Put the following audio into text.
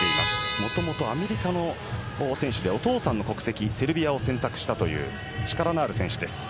もともとアメリカの選手でお父さんの国籍セレビアを選択したという力のある選手です。